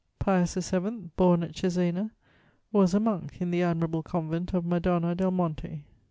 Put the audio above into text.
Pius VII., born at Cesena, was a monk in the admirable convent of Madonna del Monte.